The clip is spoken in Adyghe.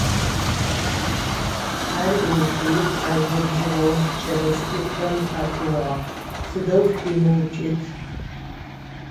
Хьэр ӏуифи, ар губжыгъэу кӏэлэцӏыкӏухэм къякууагъ: Сыдэу шъумыукӏытӏ.